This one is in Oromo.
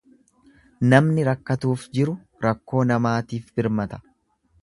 Namni rakkatuuf jiru rakkoo namaatiif birmata.